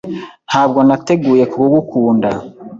Ntabwo nateguye kugukunda